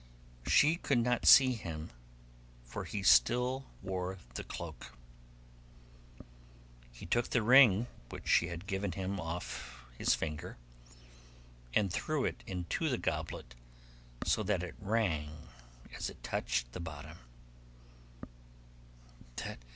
She could not see him for he still wore his cloak. He took the ring which she had given him off his finger, and threw it into the goblet, so that it rang as it touched the bottom.